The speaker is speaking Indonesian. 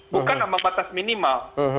bukan ambang batas minimal